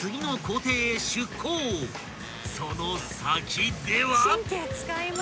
［その先では］